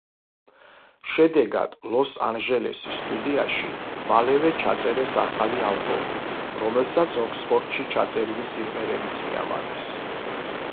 შედეგად, ლოს-ანჟელესის სტუდიაში მალევე ჩაწერეს ახალი ალბომი, რომელსაც ოქსფორდში ჩაწერილი სიმღერებიც მიამატეს.